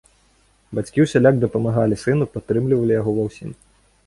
Бацькі ўсяляк дапамагалі сыну, падтрымлівалі яго ва ўсім.